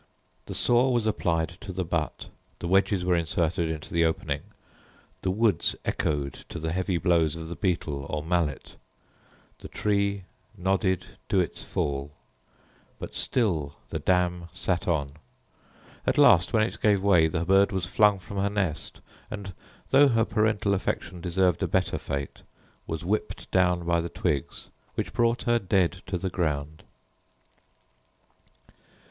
The saw was applied to the butt, the wedges were inserted into the opening, the woods echoed to the heavy blows of the beetle or mallet, the tree nodded to its fall; but still the dam sat on. At last, when it gave way, the bird was flung from her nest; and, though her parental affection deserved a better fate, was whipped down by the twigs, which brought her dead to the ground.